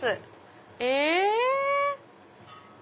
え